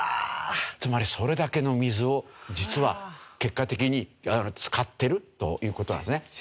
つまりそれだけの水を実は結果的に使ってるという事なんですね。